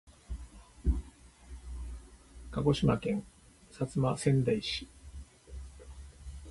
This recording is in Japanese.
鹿児島県薩摩川内市